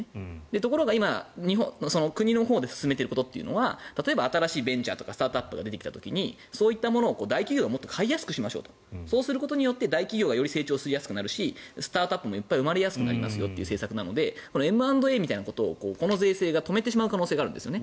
ところが今国のほうで進めていることは新しいベンチャーとかスタートアップが出てきた時にそういったものを大企業が買いやすくするそうすることによって大企業がより成長しやすくなるしスタートアップもよりよくなる政策なのでＭ＆Ａみたいなことをこの政策が止めてしまう可能性があるんですね。